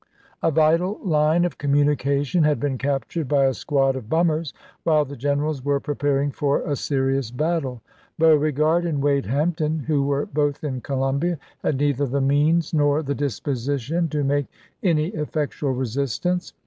A vital line of communication had been captured by a squad of «mSSs> " bummers," while the generals were preparing for p° 274." a serious battle. Beauregard and Wade Hampton, who were both in Columbia, had neither the means 232 ABRAHAM LINCOLN chap. xii. nor the disposition to make any effectual resistance.